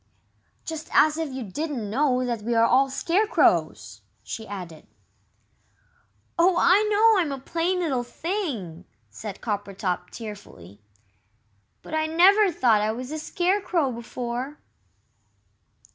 "Just as if you didn't know that we are all Scarecrows!" she added. "Oh, I know I'm a plain little thing!" said Coppertop, tearfully, "but I never thought I was a Scarecrow before."